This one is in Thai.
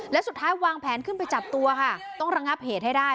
และสุดท้ายวางแผนขึ้นไปจับตัวค่ะต้องระงับเหตุให้ได้